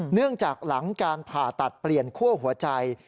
เนื่องจากหลังการผ่าตัดเปลี่ยนคั่วหัวใจ